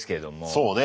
そうね。